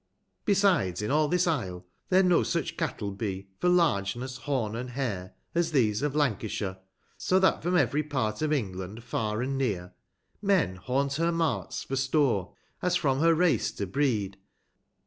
tBesides in all this Isle, there no such cattle be, For largeness, horn, and hair, as these of Lancashire ; 215 So that from every part of England far and near, Men haunt her marts for store, as from her race to breed.